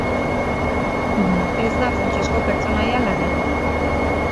Ez da funtsezko pertsonaia lanean.